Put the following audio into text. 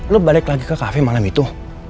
lo balik lagi ke kafe malam itu